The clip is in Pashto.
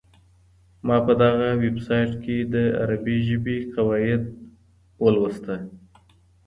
ما په دغه ویبسایټ کي د عربي ژبې قواعد ولوسهمېشه.